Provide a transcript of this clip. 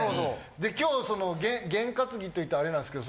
今日そのゲン担ぎといってはあれなんですけど